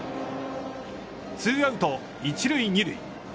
ツーアウト１塁２塁。